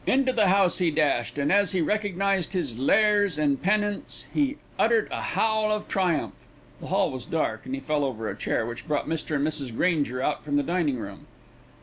Into the house he dashed, and as he recognised his lares and penates he uttered a howl of triumph. The hall was dark, and he fell over a chair, which brought Mr. and Mrs. Granger out from the dining room.